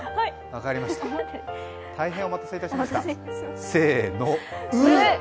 大変お待たせいたしました、せーの、ウ。